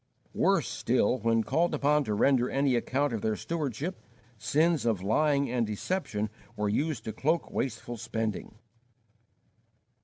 Worse still, when called upon to render any account of their stewardship, sins of lying and deception were used to cloak wasteful spending.